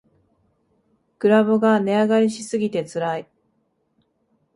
グラボが値上がりしすぎてつらい